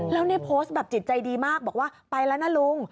แล้วในโพสต์แบบจิตใจดีมากบอกว่าไปแล้วนะลุง